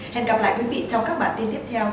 hẹn gặp lại quý vị trong các bản tin tiếp theo